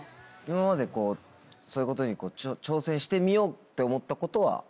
今までそういうことに挑戦してみようって思ったことは？